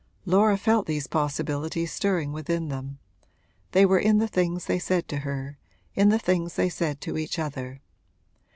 Laura felt these possibilities stirring within them; they were in the things they said to her, in the things they said to each other.